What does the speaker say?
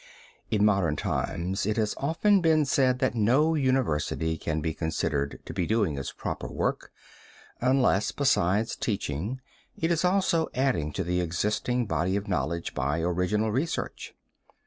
In modern times it has often been said that no university can be considered to be doing its proper work unless, besides teaching, it is also adding to the existing body of knowledge by original research.